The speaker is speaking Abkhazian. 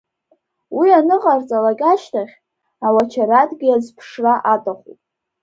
Уи аныҟарҵалак ашьҭахь, ауачарадгьы азԥшра аҭахуп.